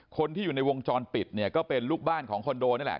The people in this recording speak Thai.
คนที่อยู่ในวงจรปิดเนี่ยก็เป็นลูกบ้านของคอนโดนี่แหละ